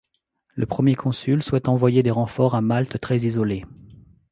Le premier Consul souhaite envoyer des renforts à Malte très isolée.